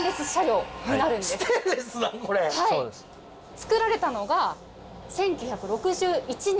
作られたのが１９６１年。